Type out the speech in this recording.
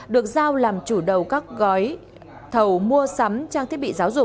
được giao làm chủ đầu các gói thầu mua sắm trang thiết bị giáo dục